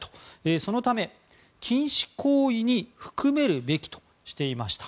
そのため禁止行為に含めるべきとしていました。